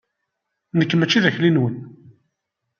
Nekk mačči d akli-nwen.